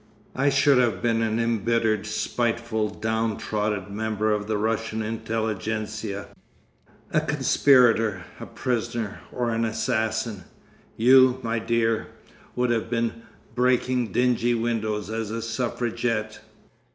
I should have been an embittered, spiteful, downtrodden member of the Russian Intelligenza, a conspirator, a prisoner, or an assassin. You, my dear, would have been breaking dingy windows as a suffragette.